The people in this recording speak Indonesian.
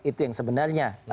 itu yang sebenarnya